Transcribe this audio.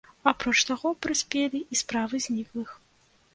Апроч таго, прыспелі і справы зніклых.